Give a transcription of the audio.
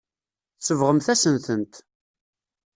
Tsebɣemt-asen-tent.